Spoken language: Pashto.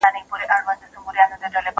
زه کولای شم منډه ووهم؟!